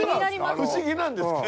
不思議なんですけど。